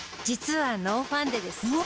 実はノーファンデです。